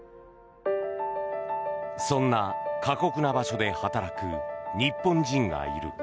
そんな過酷な場所で働く日本人がいる。